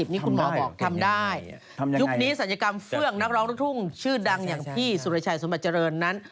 นี่คุณหมอบอกทำได้ยุคนี้ศัลยกรรมเฟื่องนักร้องลูกทุ่งชื่อดังอย่างพี่สุรชัยสมบัติเจริญนั้น